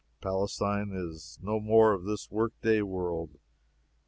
Palestine is no more of this work day world.